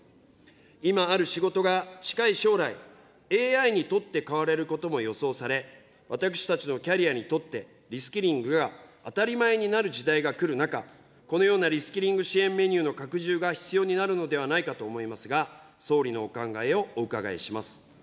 今ある仕事が近い将来、ＡＩに取って代わられることも予想され、私たちのキャリアにとって、リスキリングが当たり前になる時代が来る中、このようなリスキリング支援メニューの拡充が必要になるのではないかと思いますが、総理のお考えをお伺いします。